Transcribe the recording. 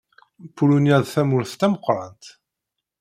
Pulunya d tamurt tameqrant.